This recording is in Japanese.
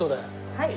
はい。